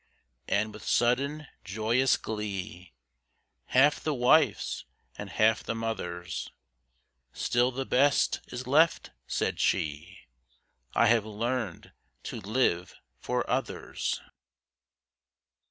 And with sudden, joyous glee, Half the wife's and half the mother's, "Still the best is left," said she: "I have learned to live for others."